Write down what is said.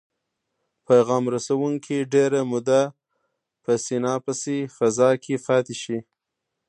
پیغام رسوونکي ډیره موده په سیناپسي فضا کې پاتې شي.